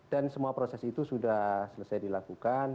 dan semua proses itu sudah selesai dilakukan